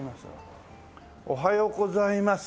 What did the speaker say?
おはようございます。